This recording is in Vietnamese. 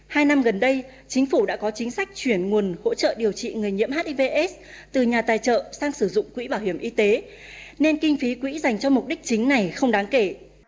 hai năm gần đây chính phủ đã có chính sách chuyển nguồn hỗ trợ điều trị người nhiễm hiv aids từ nhà tài trợ sang sử dụng quỹ bảo hiểm y tế nên kinh phí quỹ dành cho mục đích chính này không đáng kể